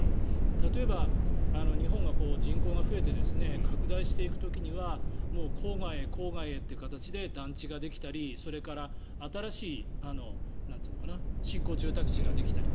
例えば日本が人口が増えて拡大していく時には郊外へ郊外へという形で団地ができたりそれから新しい新興住宅地ができたり。